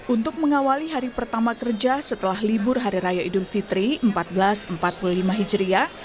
untuk mengawali hari pertama kerja setelah libur hari raya idul fitri seribu empat ratus empat puluh lima hijriah